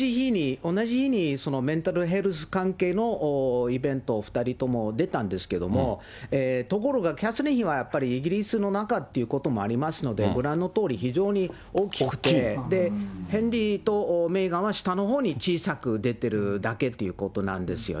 同じ日にメンタルヘルス関係のイベント、２人とも出たんですけれども、ところがキャサリン妃はやっぱりイギリスの中っていうこともありますので、ご覧のとおり、非常に大きくて、ヘンリーとメーガンは下のほうに小さく出てるだけということなんですよね。